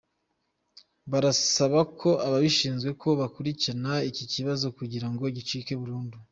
Barasaba ko ababishinzwe ko bakurikirana iki kibazo kugira ngo gicike burundu.